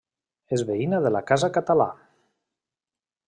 És veïna de la casa Català.